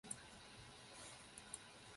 父大纳言日野重光。